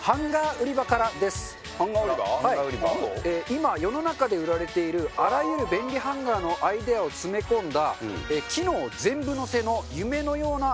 今世の中で売られているあらゆる便利ハンガーのアイデアを詰め込んだ機能全部のせの夢のようなハンガーです。